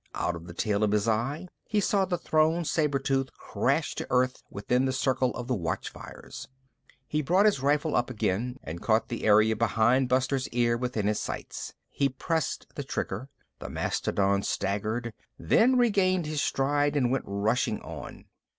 Out of the tail of his eye, he saw the thrown saber tooth crash to Earth within the circle of the watchfires. He brought his rifle up again and caught the area behind Buster's ear within his sights. He pressed the trigger. The mastodon staggered, then regained his stride and went rushing on.